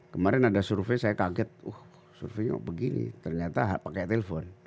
kemarin ada survei saya kaget surveinya begini ternyata pakai telepon